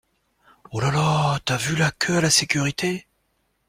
Holala, t'as vu la queue à la sécurité?!